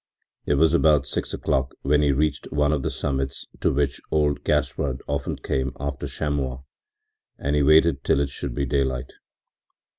It was about six o'clock when he reached one of the summits to which old Gaspard often came after chamois, and he waited till it should be daylight.